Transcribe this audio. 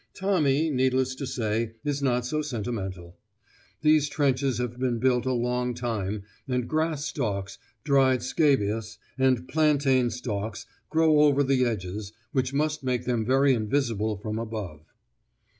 Tommy, needless to say, is not so sentimental. These trenches have been built a long time, and grass stalks, dried scabious, and plantain stalks grow over the edges, which must make them very invisible from above.